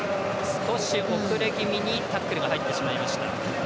少し遅れ気味にタックルが入ってしまいました。